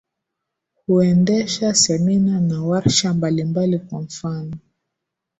huendesha semina na warsha mbalimbali Kwa mfano